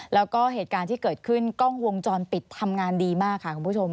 แล้วก็เหตุการณ์ที่เกิดขึ้นกล้องวงจรปิดทำงานดีมากค่ะคุณผู้ชม